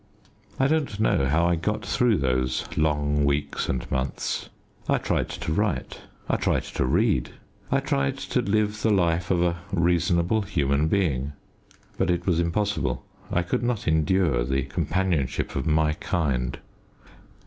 I don't know how I got through those long weeks and months. I tried to write; I tried to read; I tried to live the life of a reasonable human being. But it was impossible. I could not endure the companionship of my kind.